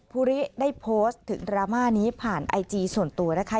ภูริได้โพสต์ถึงดราม่านี้ผ่านไอจีส่วนตัวนะคะ